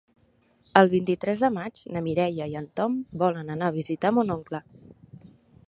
El vint-i-tres de maig na Mireia i en Tom volen anar a visitar mon oncle.